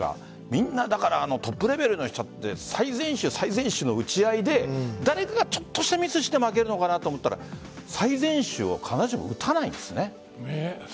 みんな、トップレベルの人は最善手、最善手の打ち合いで誰かがちょっとしたミスをして負けるのかなと思ったら最善手を必ずしも打たないんですね。